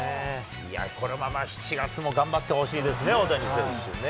このまま７月も頑張ってほしいですね、大谷選手ね。